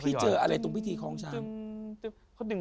พี่เจออะไรตรงพิธีคล้องช้าง